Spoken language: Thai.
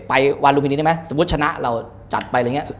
วาลุมพินีได้ไหมสมมุติชนะเราจัดไปอะไรอย่างนี้